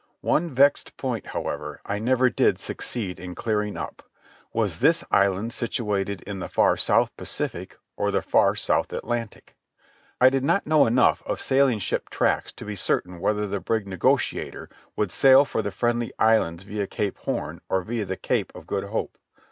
One vexed point, however, I never did succeed in clearing up. Was this island situated in the far South Pacific or the far South Atlantic? I do not know enough of sailing ship tracks to be certain whether the brig Negociator would sail for the Friendly Islands via Cape Horn or via the Cape of Good Hope.